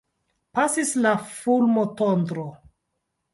Pasis la fulmotondro.